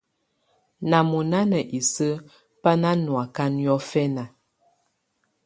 Nà mɔ̀nà ná isǝ́ bá ná nɔ̀áka niɔ̀fɛna.